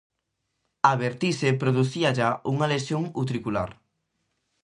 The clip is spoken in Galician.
A vertixe producíalla unha lesión utricular.